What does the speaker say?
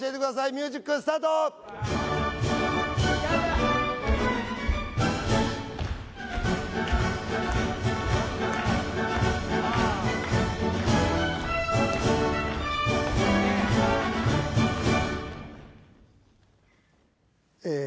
ミュージックスタートええ